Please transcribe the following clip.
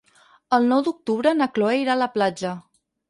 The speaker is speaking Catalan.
El nou d'octubre na Cloè irà a la platja.